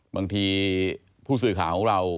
บางทีผู้สื่อข่าวของเรา